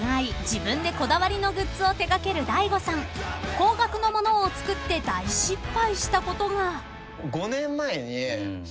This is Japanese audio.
［高額の物を作って大失敗したことが］